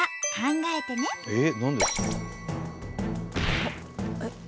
えっ？